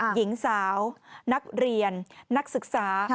หญิงสาวนักเรียนนักศึกษา